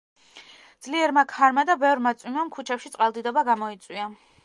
ძლიერმა ქარმა და ბევრმა წვიმამ ქუჩებში წყალდიდობა გამოიწვია.